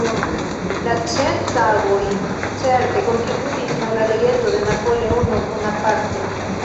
La Cent-Tagoj certe kontribuis al la legendo de Napoleono Bonaparte.